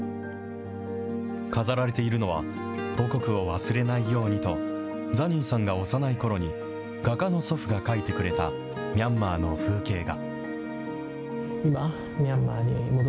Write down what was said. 飾られているのは、母国を忘れないようにと、ザニーさんが幼いころに画家の祖父が描いてくれたミャンマーの風景画。